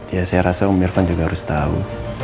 ya saya rasa om irfan juga harus tahu